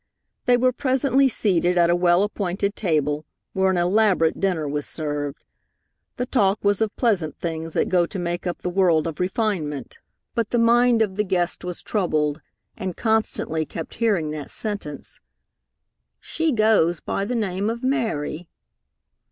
They were presently seated at a well appointed table, where an elaborate dinner was served. The talk was of pleasant things that go to make up the world of refinement; but the mind of the guest was troubled, and constantly kept hearing that sentence, "She goes by the name of Mary."